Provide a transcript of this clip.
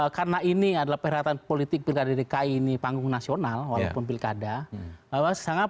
karena ini adalah perhatian politik panggung nasional walaupun pilkada